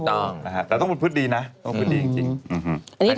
ต้องแต่ต้องเป็นพฤตดีนะต้องเป็นพฤตดีจริง